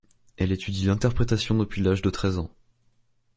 Elle étudie l'interprétation depuis l'âge de treize ans.